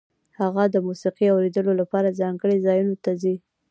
هغه د موسیقۍ اورېدو لپاره ځانګړو ځایونو ته ځي